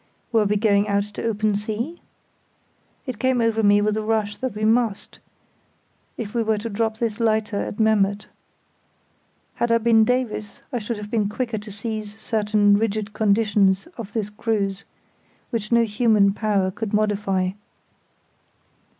Were we going out to open sea? It came over me with a rush that we must, if we were to drop this lighter at Memmert. Had I been Davies I should have been quicker to seize certain rigid conditions of this cruise, which no human power could modify.